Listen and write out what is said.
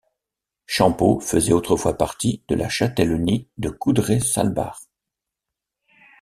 Champeaux faisait autrefois partie de la châtellenie de Coudray Salbart.